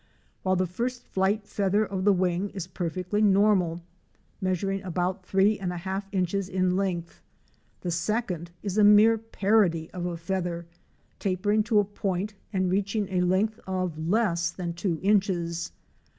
While the first flight feather of the wing is perfectly normal, measuring about three and a half inches in length, the second is a mere parody of a feather, tapering to a point and reaching a length of less than two inches.